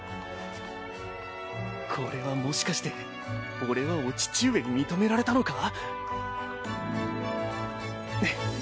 これはもしかして俺はお父上に認められたのか？